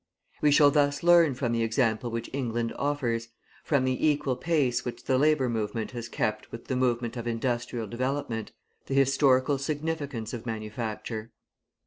We shall thus learn from the example which England offers, from the equal pace which the Labour Movement has kept with the movement of industrial development, the historical significance of manufacture.